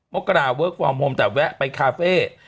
กราเวิร์คฟอร์มโฮมแต่แวะไปคาเฟ่